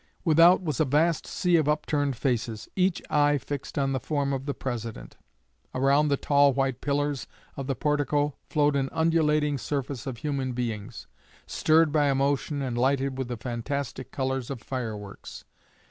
Without was a vast sea of upturned faces, each eye fixed on the form of the President. Around the tall white pillars of the portico flowed an undulating surface of human beings, stirred by emotion and lighted with the fantastic colors of fireworks.